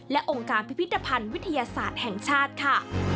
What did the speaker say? และองค์การพิพิธภัณฑ์วิทยาศาสตร์แห่งชาติค่ะ